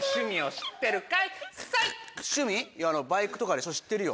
知ってるよ。